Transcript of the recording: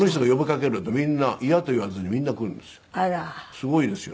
すごいですよ。